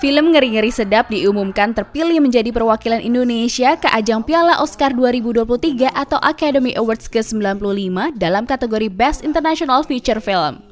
film ngeri ngeri sedap diumumkan terpilih menjadi perwakilan indonesia ke ajang piala oscar dua ribu dua puluh tiga atau academy awards ke sembilan puluh lima dalam kategori best international future film